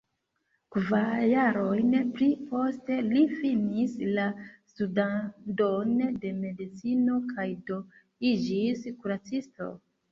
Kvar jarojn pli poste, li finis la studadon de medicino kaj do iĝis kuracisto.